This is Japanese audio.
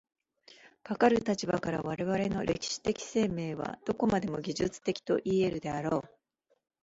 かかる立場から、我々の歴史的生命はどこまでも技術的といい得るであろう。